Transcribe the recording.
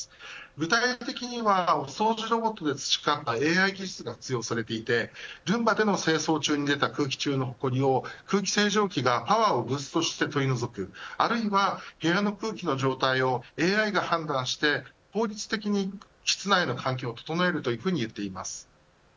具体的にはお掃除ロボットで培ったＡＩ技術が活用されていてルンバでの清掃中に出たほこりを空気清浄機がパワーをブーストして取り除くあるいは部屋の空気の状態をＡＩが判断して効率的に室内の環境を整えるというふうになっています。